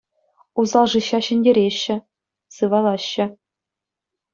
Усал шыҫҫа ҫӗнтереҫҫӗ, сывалаҫҫӗ.